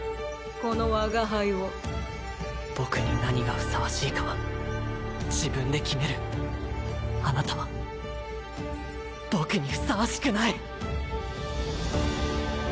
この我が輩を僕に何がふさわしいかは自分で決めるあなたは僕にふさわしくない！